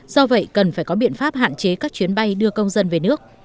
do vậy cần phải có biện pháp hạn chế các chuyến bay đưa công dân về nước